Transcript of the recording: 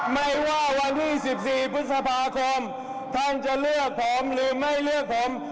ไม่ว่าวันที่๑๔พฤษภาคมท่านจะเลือกผมหรือไม่เลือกผม